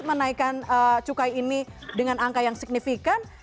menaikkan cukai ini dengan angka yang signifikan